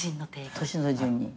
年の順に。